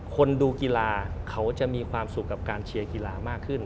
คนดูกีฬาเขาจะมีความสุขกับการเชียร์กีฬามากขึ้น